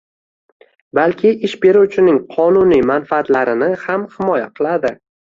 balki ish beruvchining qonuniy manfaatlarini ham himoya qiladi.